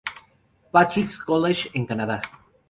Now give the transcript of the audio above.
Patrick's College, en Canadá.